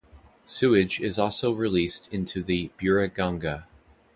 Sewage is also released into the Buriganga.